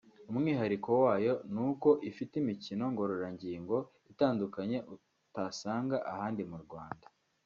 umwihariko wayo ni uko ifite imikino ngororangingo itandukanye utasanga ahandi mu Rwanda